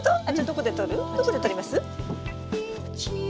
どこで撮ります？